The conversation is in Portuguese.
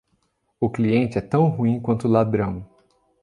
O cliente é tão ruim quanto ladrão.